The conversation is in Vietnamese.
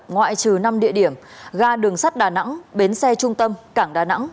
ngoại trừ năm địa điểm ga đường sắt đà nẵng bến xe trung tâm cảng đà nẵng